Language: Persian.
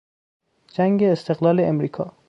جنگ استقلال امریکا